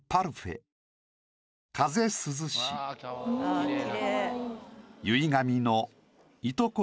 あっきれい。